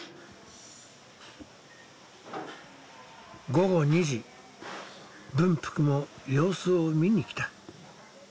午後２時文福も様子を見に来た。